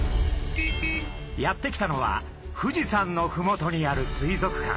やって来たのは富士山のふもとにある水族館。